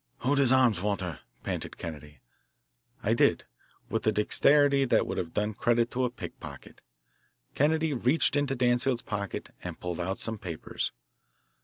"Hold his arms, Walter," panted Kennedy. I did. With a dexterity that would have done credit to a pickpocket, Kennedy reached into Danfield's pocket and pulled out some papers.